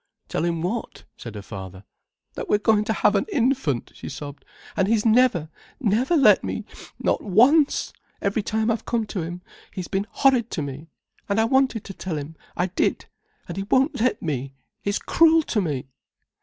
"Tell him what?" said her father. "That we're going to have an infant," she sobbed, "and he's never, never let me, not once, every time I've come to him, he's been horrid to me, and I wanted to tell him, I did. And he won't let me—he's cruel to me."